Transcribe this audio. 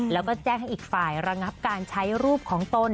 แล้วก็แจ้งให้อีกฝ่ายระงับการใช้รูปของตน